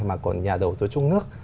mà còn nhà đầu tư trong nước